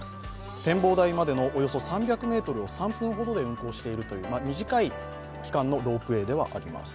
展望台までのおよそ３００ｍを３分ほどで運行しているという短い期間のロープウエーではあります。